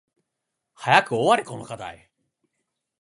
早く終われこの課題